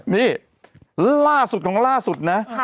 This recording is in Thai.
นี่ล่าสุดของล่าสุดนะ